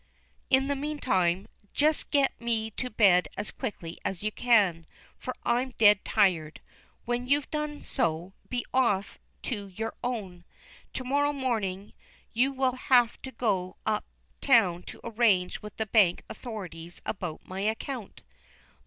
In the meantime, just get me to bed as quickly as you can, for I'm dead tired. When you've done so, be off to your own. To morrow morning you will have to go up town to arrange with the bank authorities about my account."